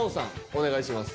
お願いします！